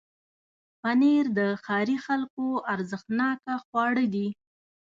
پنېر د ښاري خلکو ارزښتناکه خواړه دي.